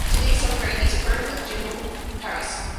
Today Saubraz is part of the Gimel parish.